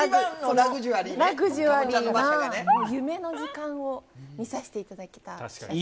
ラグジュアリーな夢の時間を見させていただけた気がしますね。